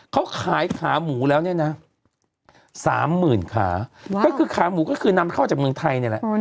เขาขายขาหมูแล้วเนี่ยนะ๓๐๐๐ขาก็คือขาหมูก็คือนำเข้าจากเมืองไทยนี่แหละ